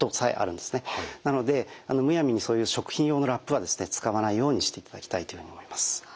なのでむやみにそういう食品用のラップは使わないようにしていただきたいというふうに思います。